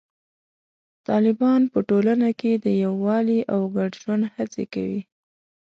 طالبان په ټولنه کې د یووالي او ګډ ژوند هڅې کوي.